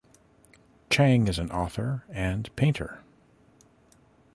Chang is an author and painter.